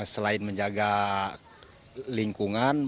selain menjaga lingkungan